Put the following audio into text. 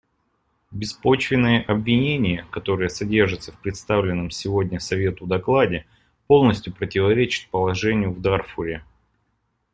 Беспочвенные обвинения, которые содержатся в представленном сегодня Совету докладе, полностью противоречат положению в Дарфуре.